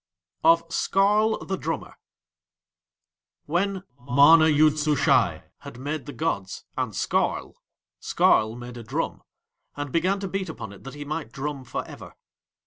OF SKARL THE DRUMMER When MANA YOOD SUSHAI had made the gods and Skarl, Skarl made a drum, and began to beat upon it that he might drum for ever.